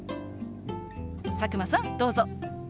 佐久間さんどうぞ。